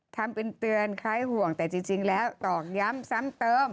ทำเป็นเตือนคล้ายห่วงแต่จริงแล้วตอกย้ำซ้ำเติม